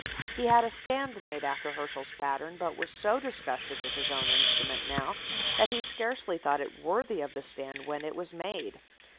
He had a stand made after Herschel's pattern, but was so disgusted with his own instrument now that he scarcely thought it worthy of the stand when it was made.